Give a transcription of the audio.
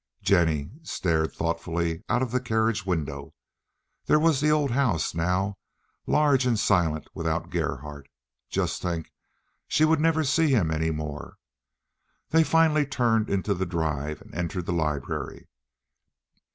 Jennie stared thoughtfully out of the carriage window. There was the old house now, large and silent without Gerhardt. Just think, she would never see him any more. They finally turned into the drive and entered the library.